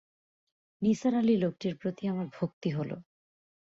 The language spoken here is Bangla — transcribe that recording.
নিসার আলি লোকটির প্রতি আমার ভক্তি হল।